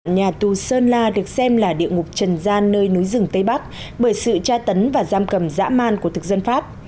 nhà tù sơn la được xem là địa ngục trần gian nơi núi rừng tây bắc bởi sự tra tấn và giam cầm dã man của thực dân pháp